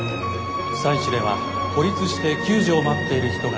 被災地では孤立して救助を待っている人が多数います。